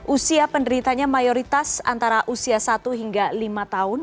usia penderitanya mayoritas antara usia satu hingga lima tahun